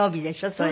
それ。